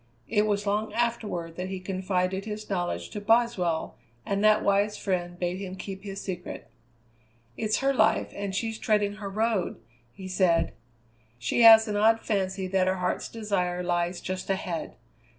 It was long afterward that he confided his knowledge to Boswell, and that wise friend bade him keep his secret. "It's her life, and she's treading her Road," he said; "she has an odd fancy that her Heart's Desire lies just ahead.